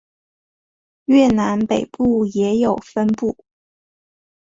越南北部也有分布。